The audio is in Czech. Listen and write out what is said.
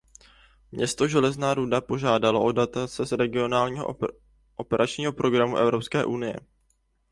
Město Železná Ruda požádalo o dotace z Regionálního operačního programu Evropské unie.